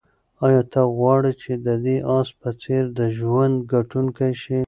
آیا ته غواړې چې د دې آس په څېر د ژوند ګټونکی شې؟